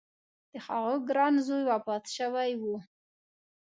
د هغه ګران زوی وفات شوی و.